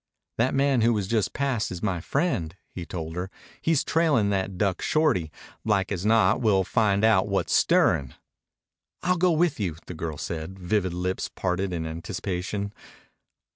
"That man who jus' passed is my friend," he told her. "He's trailin' that duck Shorty. Like as not we'll find out what's stirrin'." "I'll go with you," the girl said, vivid lips parted in anticipation.